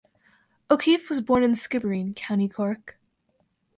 O'Keeffe was born in Skibbereen, County Cork.